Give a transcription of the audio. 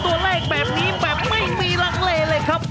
ตัวเลขแบบนี้แบบไม่มีลังเลเลยครับ